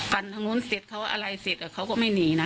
ฟันทางนู้นเสร็จเขาอะไรเสร็จเขาก็ไม่หนีนะ